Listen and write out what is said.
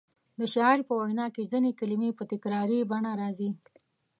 د شاعر په وینا کې ځینې کلمې په تکراري بڼه راځي.